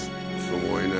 すごいね。